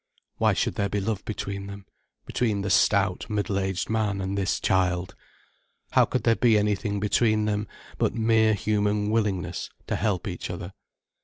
Why should there be love between them, between the stout, middle aged man and this child? How could there be anything between them, but mere human willingness to help each other?